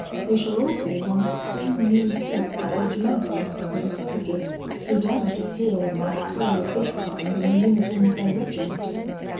We shall also want three new suits of regimentals for the soldiers, who dare not appear in an affray of this kind in the uniform of their regiment.